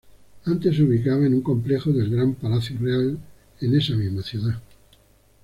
Antes se ubicaba en un complejo del Gran Palacio Real en esa misma ciudad.